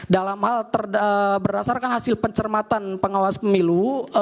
dalam hal berdasarkan hasil pencermatan pengawas pemilu